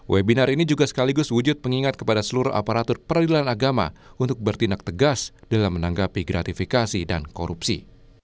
webinar ini juga sekaligus wujud pengingat kepada seluruh aparatur peradilan agama untuk bertindak tegas dalam menanggapi gratifikasi dan korupsi